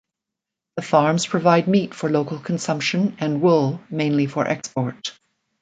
The farms provide meat for local consumption and wool mainly for export.